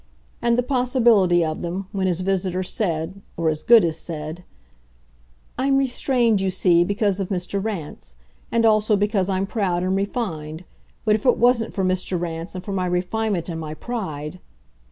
And the possibility of them, when his visitor said, or as good as said, "I'm restrained, you see, because of Mr. Rance, and also because I'm proud and refined; but if it WASN'T for Mr. Rance and for my refinement and my pride!"